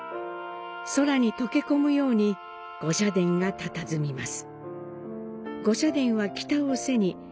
空に溶け込むように御社殿がたたずみます。